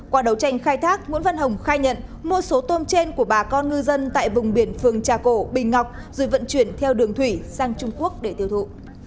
qua đấu tranh khai thác nguyễn văn hồng khai nhận mua số tôm trên của bà con ngư dân tại vùng biển phường trà cổ bình ngọc rồi vận chuyển theo đường thủy sang trung quốc để tiêu thụ